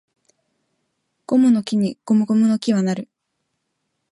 ゴムの木にゴムゴムの木は成る